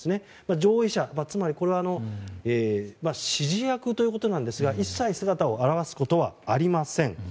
上位者、つまりこれは指示役ということですが一切、姿を現すことはありません。